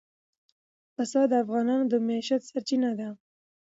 پسه د افغانانو د معیشت سرچینه ده.